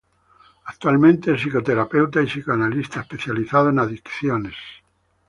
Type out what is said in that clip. Actualmente es psicoterapeuta y psicoanalista especializado en adicciones.